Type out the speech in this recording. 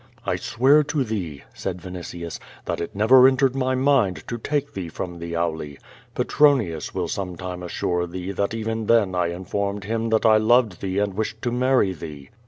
"I swear to thee," said Vinitius, "that it never entered my mind to take thee from the Auli. Petronius will sometime assure thee that even then I informed him that I loved thoc and wished to marry theo.